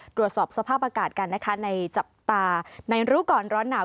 โดยสอบสภาพประกาศกันในจับตาในรู้ก่อนร้อนหนาว